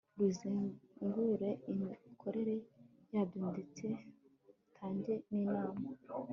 rugenzure imikorere yabyo ndetse rutange n inama